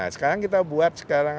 sekarang kita buat